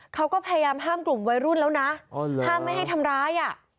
เขาก็พยายามห้ามกลุ่มวัยรุ่นแล้วนะห้ามไม่ให้ทำร้ายอ่ะ